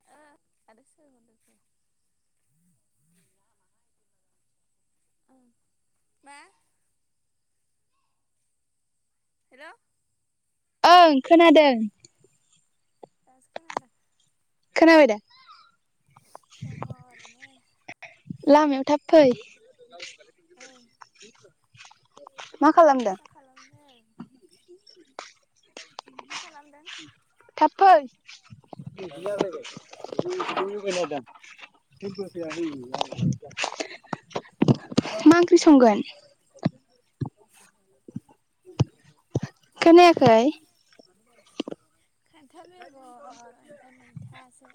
[unintelligible] मा? हेलौ ओं खोनादों। [inaudible] दङ [unintelligible] ओरैनो लामायाव थाब फै ओं [inaudible] मा खालामदों? मा खालामदों मा खालामदों? थाब फै। [unintelligible] मा ओंख्रि संगोन? खोनायाखै [inaudible] खान्थाल बेगर ओमफ्राय मैथासो।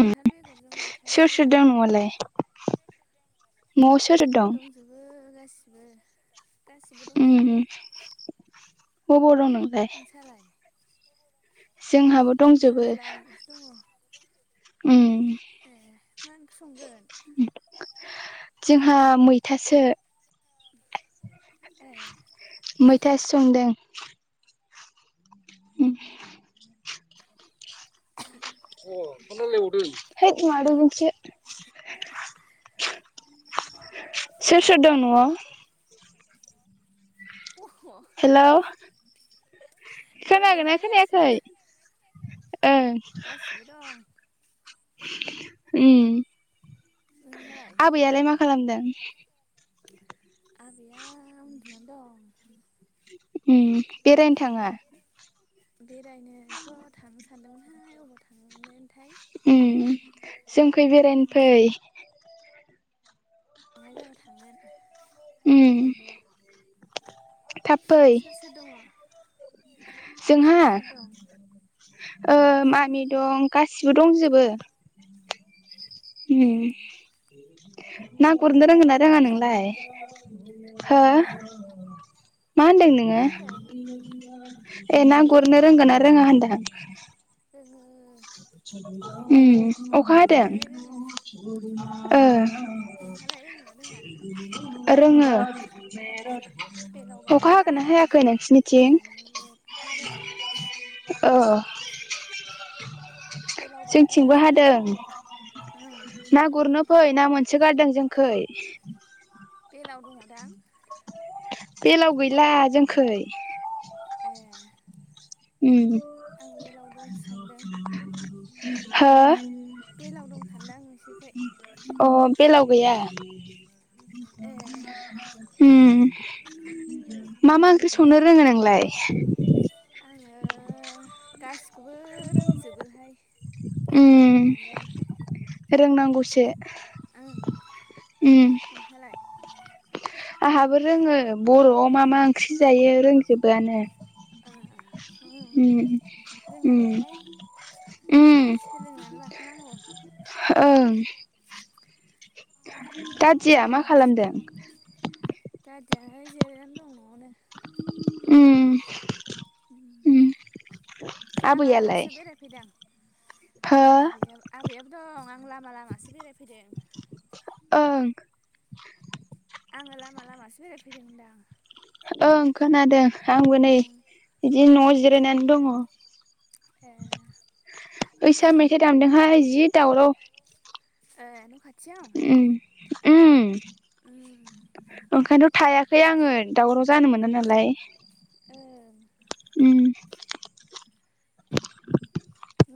उम बेगरजों मैथासो जोंहा। मस दंजोबो गासिबो गासिबो उम दंजोबो। [unintelligible] नोंसालाय? जोंहाबो नै दंजोबो। लामायावसो दङ उम ए मा ओंख्रि संगोन? जोंहा मैथासो। ए [inaudible] मैथा संदों। उम [unintelligible] सोर सोर दं नआव? दङ हेलौ खोनादों ना दङहाय खोनायाखै? गासिबो ओ [inaudible] गासिबो दं ओम नोंहालाय आबैयालाय मा खालामदों? आबैया उन्दुनान दं। ओम बेरायनो थाङा? बेरायनोथ थांनो सानदोंमोनहाय अबाव थांनोथाय। ओम जोंनिखै बेरायनो फै। मिथिथ' थांनाय जाबा थांगोन। उम थाब फै सोर सोर दङ जोंहा सोर सोर दं ओ ओं मामि दं गासै गासिबो दंजोबो। ए ओम [inaudible] ना गुरनो रोंगोन ना खबरा रोंङा मोजांबा नोंलाय हो हो? मा मा होनदों नोंङो होनदों ए ना गुरनो रोंगोन ना रोंङा होनदों? जोंङो ओम अखा हादों? गुरनोलाय रोङो ओ नोंहालाय रोङोना रोङा रोंङो अखा हागो ना हाया हादों मोजांङै हादों। औ बेलाव [inaudible] बागोन जोंथिबो हादों। नाखौ ओं ना गुरनो फै ना मोनसो गारदों जोंखै। बेलाव दंङ दां? बेलाव गैला जोंखै। ए ओम आं बेलाव दं सानदों [unintelligible] हो? बेलाव दं सानदां नोंसोरखै [inaudible] अ बेलाव गैया। [inaudible] ए ओम मा मा ओंख्रि संनो रोंङो नोंलाय? आंङो गासिखौबो रोंजोबोहाय। ओम रोंनायालाय रोंनांगौसो उम खोनथालाय। आंहाबो रोंङो बरआव मा मा ओंख्रि जायो रोंजोबोआनो। ओह ओह। उम उम। उम सोलोंनानै लाखानांगौ [inaudible] ओं। दादिया ओं मा खालामदों। दादियानो जिरायनानै दं न'आवनो उम उम। लामा आबैयालाय लामासो बेरायफैदां हो आबैया आबैयाबोदं आ लामा लामासो बेरायफ ओं। आङो लामा लामासो बेरायफैदों होनदां। ओं खोनादों आंबो नै ओं बिदि नआव जिरायनानै दङ। ए ओइसा मेथाइ दामदोंहाय जि दावराव। ओह न खाथियाव। उम उम ओम ओंखायनोथ थायाखैआङो दावराव जानो मोना नालाय। ओं उम।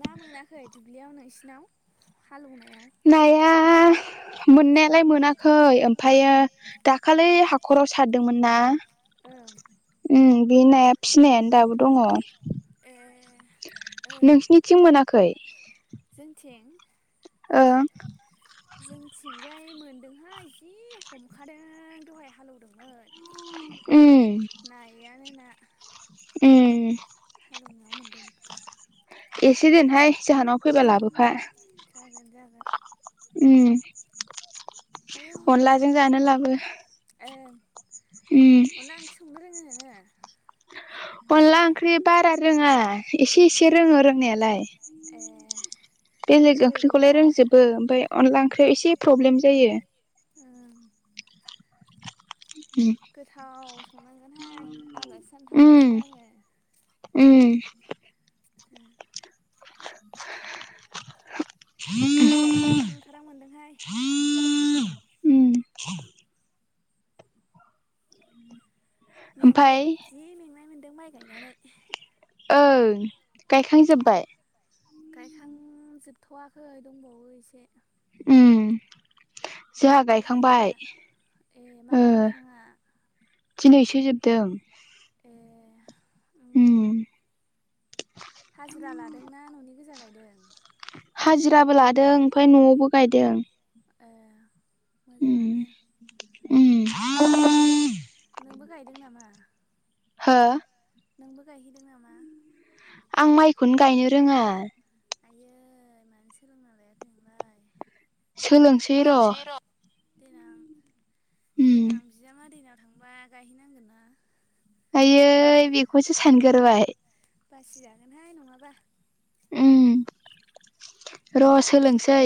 ना मोनाखै दुब्लियाव नोंसिनाव हालौना नाया मोननायालाय मोनाखै ओमफायो दाखालै हाखराव सारदोंमोन ना। ओं। उम बि नाया फिनायानो दाबोदङ। ए ओं नोंसिनिथिं मोनाखै। जोंथिं ओं। जोंथिंजाय मोनदोंहाय जि हमखादों दहाय हालौवदों। उम मोन नायानो ना। उम। हालौवनायाव मोन्दों। एसे दोनहाय जाहानाव फैबा लाबोफा। जागोन जागोन। उम। आयौ अनलाजों जानो लाबो ओं उम। अनला ओंख्रि [inaudible] अनला ओंख्रि बारारोङा इसे इसे रोङो रोंनायालाय। ए बेलेग बोरैबा ओंख्रिखौलाय रोंजोबो ओमफाय अनला ओं ख्रै इसे प्रब्लेम जायो। उम। उम गोथाव संनांगोनहाय आलासिजानो थांगासिनो उम आङो। उम। [inaudible] [unintelligible] लोमजानो ओंखारहां ओंखारहां मोनदोंहाय। उम। ओमफाय मेंबाय जि मेंनायमोन्दों माइ गायनानै। ओं गायखां जोबबाय। गायखां जोबथवाखै दंबावो इसे। उम जोंहा बारा बुरजा गायखांबाय गैला ए माला गायखांङा। बिजोबदों। उम उम हाजिरा लादोंना ननि गोजा गायदों। हाजिराबो लादों ओमफाय नआवबो गायदों। ए उम मोजाङानो। उम नोंबो नोंबो गायदोंनामा। हो। नोंबो गायहैदोंनामा। आं माइखौनो गायनो रोंङा। आयै मानो सोलोंना लायाखै नोंलाय। सोलोंसै र। देनां उम देनां बिजामादैेनाव थांबा गायहैनांगोन ना। आयै बेखौसो सानग्रोबाय। बासिजागोनहाय नङाबा। उम र सोलोंसै।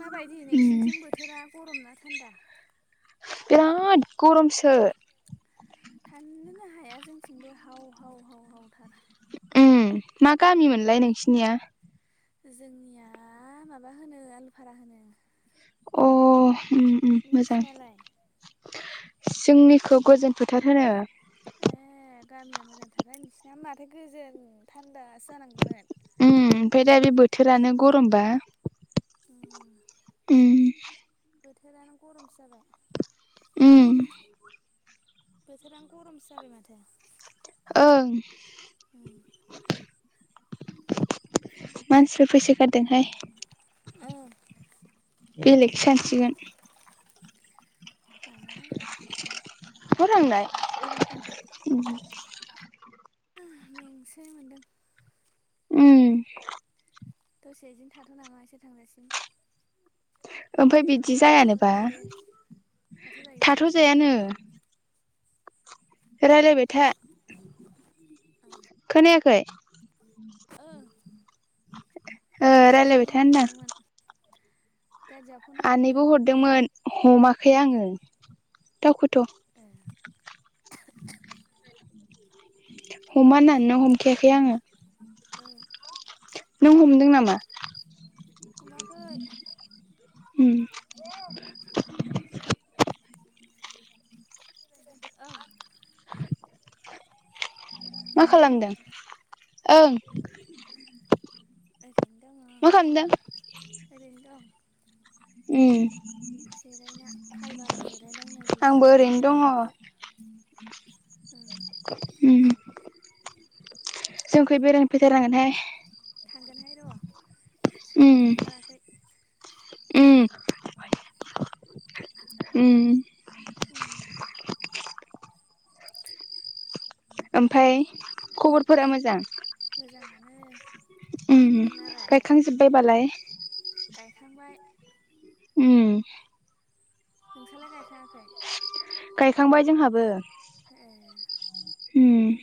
माबायदि उम नोंसिनिथिं बोथोरा गरम ना थान्दा? बिराद गरमसो थानोनो हाया जोंनिथिंबो हाव हाव हाव हावथार। ओम मा गामि मोनलाय नोंसिनिया? जोंनिया माबा होनो आलुफारा होनो। अ उम उम मोजां। नोंसिनालाय जोंनिखौ गोजोन फोथार होनो। ए गामिया मोजांथारहाय नोंसिना माथो गोजोन थान्दा। जानांगौमोन। उम ओमफ्राय दा बे बोथोरानो गरमबा। उम। उम। बोथोरानो गरमसो जाबाय। उओ। बोथोरानो गरमसो जाबाय माथो। ओं। मानसिफोर फैसो गारदोंहाय। ओ बेलेगसो सानसिगोन। आनाहाय बवथांनाय। मेंसोनाय मोनदों। उम। दसे बिदिनो थाथनामा एसोर थांजासिम। ओमफ्राय जेबो बिदि नङा थाथ' जायानोबा जायो थाथ जायानो। रायज्लायबाय था खोनायाखै। ओ। ओ दादियासो रायलायबाय फन था होनदां हरबावदोंमोन। दादिया फन आनैबो हरदोंमोन। हरदोंमोन हमाखै आंङो दावखोथ। ए हमाहोननानैनो हमखायाखै आंङो। ओ नों हमदों नामा? हमाखै। उम। ओं। मा हेलौ खालामदों ओं। ओरैनो दं मा खालामदों ओरैनो दं। उओ। जिरायना खालबाराव जिरायदां नै गुसु जादों दासो। ओं उओ। जोंखै बेरायनो फैथारनांगोनहाय। थांगोनहाय र उम सोलाबथ थाराखै। उओ। उम। ओमफाय खबरफोरा मोजां? मोजाङानो। उ नोंनालाय गायखांजोब्बाय बालाय‌? थांबाय। उ। नोंसोरलाय गायखााङाखै? गायखांबाय जोंहाबो। उम ए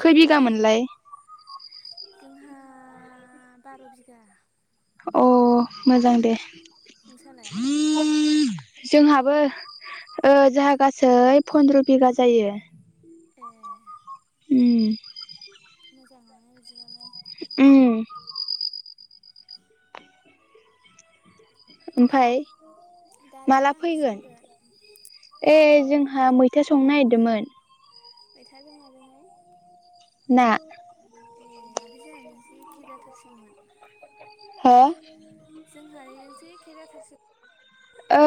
खै बिगा ज मोनलाय जोंहा बार' बिगा। अ मोजां दे। नोंसालाय जोंहाबो जोंहा गासै फन्द्र' बिगा जायो। ए। उम। मोजाङानो बिदिबालाय। उम ओमफाय दालाय माला मा ओंख्रि फैगोन संगोन ए जोंहा मै संनो नागिरदोंमोन। मैथा जों माजोंहाय? ना। ए माथो जोंहानिजोंसो एखि जाथारसिगौमोन। हो जोंहा निजोंसो एखे जाथार सिग ओ।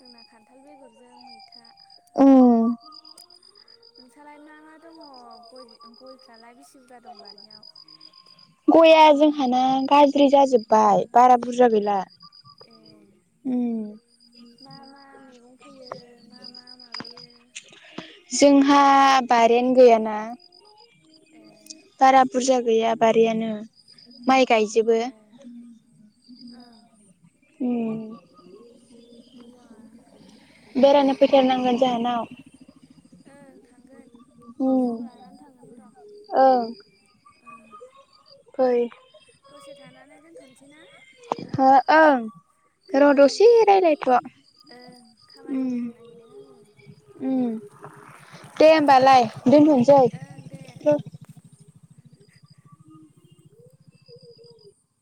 जोंना खान्थाल बेगरजों मैथा। औ। नोंसालाय मा मा दङ गयफ्रालाय बेसे बुरजा दं बारियाव? गया जोंहाना गाज्रि जाजोब्बाय बारा बुरजा गैला। ए उम। मा मा मैगं फैयो मा मा माबायो। जोंहा बारिआनो गैयाना ए बारा बुरजा। गैया बारियानो माइ गायजोबो। ए। ओं मोजाङानो बेरायनो फैथारनांगोन जाहोनाव। ओं थांगोन। सम औओं। लानानै थांगोन र' ओं फै। दसे थानानै दोनथ'सैना? हो ओं र' खामानि दसे रायलायथ' ओं खामानि उम मावनो नागिरदों आङो। दे होमबालाय दोनथ'सै। ओं दे